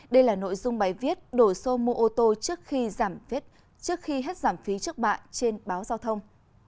đây là nội dung bài viết đổi số mua ô tô trước khi hết giảm phí trước bạ trên báo giao thông